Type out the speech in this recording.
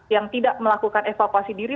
yang tidak melakukan evakuasi diri